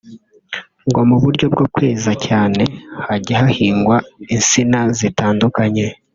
ngo mu buryo bwo kweza cyane hajya hahingwa insina zitandukanye